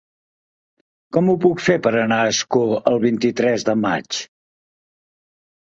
Com ho puc fer per anar a Ascó el vint-i-tres de maig?